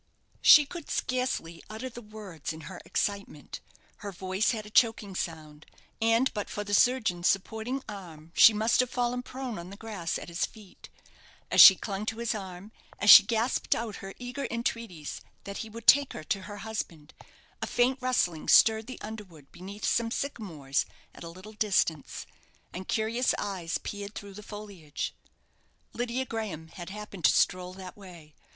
She could scarcely utter the words in her excitement. Her voice had a choking sound, and but for the surgeon's supporting arm she must have fallen prone on the grass at his feet. As she clung to his arm, as she gasped out her eager entreaties that he would take her to her husband, a faint rustling stirred the underwood beneath some sycamores at a little distance, and curious eyes peered through the foliage. Lydia Graham had happened to stroll that way.